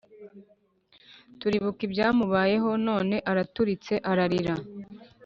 Turibuka ibyamubayeho none araturitse ararira